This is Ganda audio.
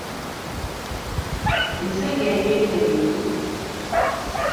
Omusajja yajja enjala emuluma.